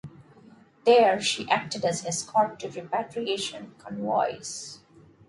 There she acted as escort to repatriation convoys.